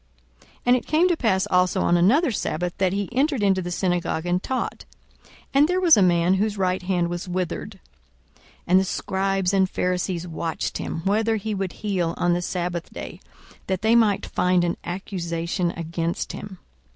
42:006:006 And it came to pass also on another sabbath, that he entered into the synagogue and taught: and there was a man whose right hand was withered. 42:006:007 And the scribes and Pharisees watched him, whether he would heal on the sabbath day; that they might find an accusation against him.